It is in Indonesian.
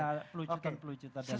ya ada pelucutan pelucutan